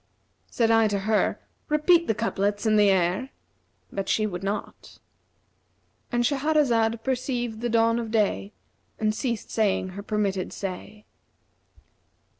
Said I to her, 'Repeat the couplets and the air!' But she would not:'"—And Shahrazad perceived the dawn of day and ceased saying her permitted say.